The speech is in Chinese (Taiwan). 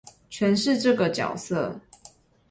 詮釋這個角色